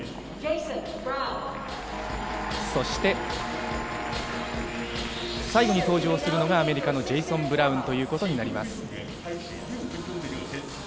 そして、最後に登場するのがアメリカのジェイソン・ブラウンとなります。